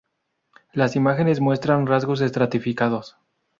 Las imágenes muestran rasgos estratificados.